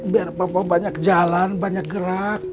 biar papua banyak jalan banyak gerak